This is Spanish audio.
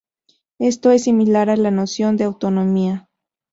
Esto es similar a la noción de autonomía.